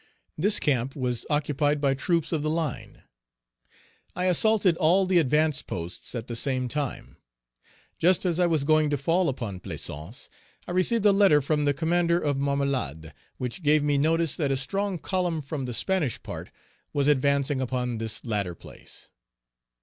This camp was occupied by troops of the line. I assaulted all the advanced posts at the same time. Just as I was going to fall upon Plaisance, I received a letter from the commander of Marmelade, which gave me notice that a strong column from the Spanish part was advancing upon this latter place.